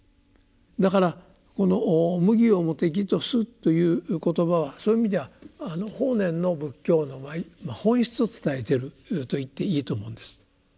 だからこの「無義をもて義とす」という言葉はそういう意味ではあの法然の仏教の本質を伝えていると言っていいと思うんです。